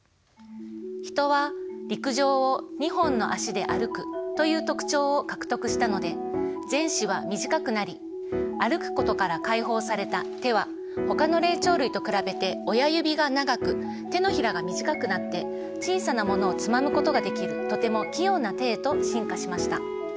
ヒトは陸上を２本のあしで歩くという特徴を獲得したので前肢は短くなり歩くことから解放された手はほかの霊長類と比べて親指が長く手のひらが短くなって小さなものをつまむことができるとても器用な手へと進化しました。